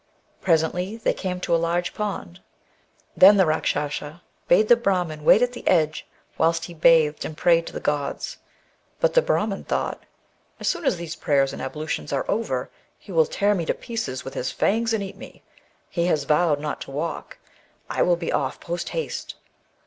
'* Presently they came to a large pond. Then the Eakschasa bade the Brahmin wait at the edge whilst he bathed and prayed to the gods. But the Brahmin thought :" As soon as these prayers and ablutions are over, he will tear me to pieces with his fangs and eat me. He has vowed not to walk ; I will be ofif post haste